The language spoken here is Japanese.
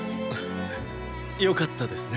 よかったですね。